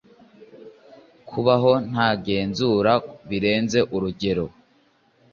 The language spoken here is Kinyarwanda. kubaho nta genzura birenze urugero